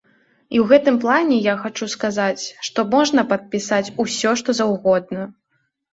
І ў гэтым плане я хачу сказаць, што можна падпісаць усё што заўгодна.